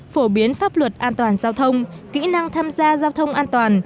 phổ biến pháp luật an toàn giao thông kỹ năng tham gia giao thông an toàn